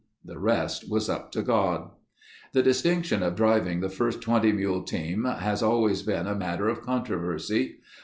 The rest was up to God. The distinction of driving the first 20 mule team has always been a matter of controversy.